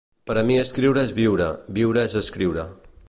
Per a mi escriure és viure, viure és escriure.